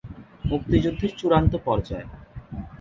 মুক্তিযুদ্ধের চূড়ান্ত পর্যায়।